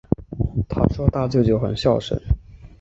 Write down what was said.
她说大舅舅很孝顺